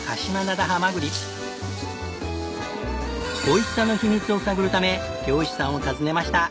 おいしさの秘密を探るため漁師さんを訪ねました。